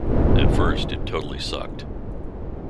At first it totally sucked.